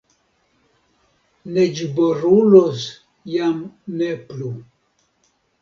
Neĝboruloj jam ne plu.